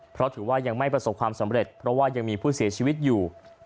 เพราะถือว่ายังไม่ประสบความสำเร็จเพราะว่ายังมีผู้เสียชีวิตอยู่